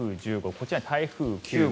こちらに台風９号。